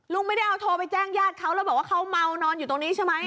ลุงไม่ได้เอาโทรไปแจ้งญาติเขาแล้วบอกว่าเขาเมานอนอยู่ตรงนี้ใช่ไหม